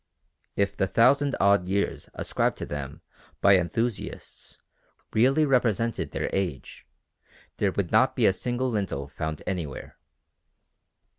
If the thousand odd years ascribed to them by enthusiasts really represented their age, there would not be a single lintel found anywhere.